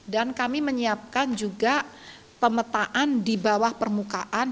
dan kami menyiapkan juga pemetaan di bawah permukaan